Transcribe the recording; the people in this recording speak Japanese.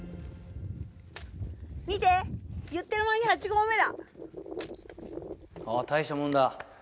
見て言ってる間に八合目だああ大したもんだ